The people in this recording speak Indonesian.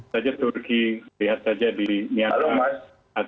saja turki lihat saja di myanmar